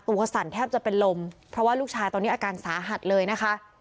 สั่นแทบจะเป็นลมเพราะว่าลูกชายตอนนี้อาการสาหัสเลยนะคะ